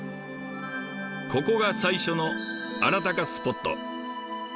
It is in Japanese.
ここが最初のあらたかスポット。